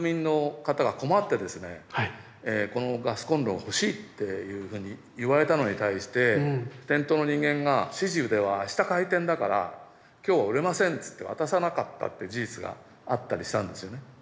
このガスコンロを欲しいっていうふうに言われたのに対して店頭の人間が「指示ではあした開店だから今日は売れません」っつって渡さなかったって事実があったりしたんですよね。